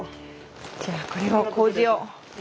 じゃあこれをこうじを。